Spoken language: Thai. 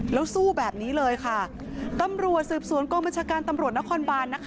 แล้วสู้แบบนี้เลยค่ะตำรวจสืบสวนกองบัญชาการตำรวจนครบานนะคะ